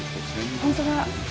本当だ。